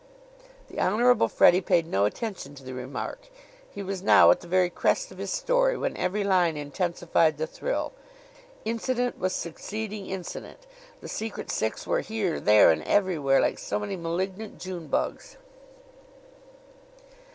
The Honorable Freddie paid no attention to the remark. He was now at the very crest of his story, when every line intensified the thrill. Incident was succeeding incident. The Secret Six were here, there and everywhere, like so many malignant June bugs.